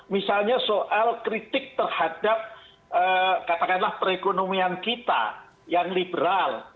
misalnya soal kritik terhadap katakanlah perekonomian kita yang liberal